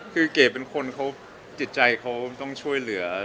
คือเก๋เป็นคนเขาจิตใจเขาต้องช่วยเหลือ